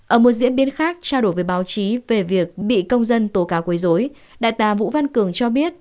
ở một diễn biến khác trao đổi với báo chí về việc bị công dân tố cáo quấy dối đại tá vũ văn cường cho biết